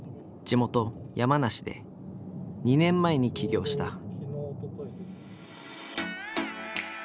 地元・山梨で２年前に起業した。